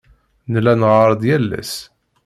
Nella neɣɣar-d yal ass.